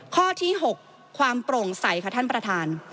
ข้อที่๖ความโปร่งใสค่ะท่านประธาน